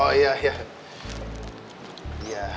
kalau gitu saya tinggal tuh ya